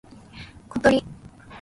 ことり